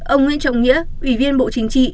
ông nguyễn trọng nghĩa ủy viên bộ chính trị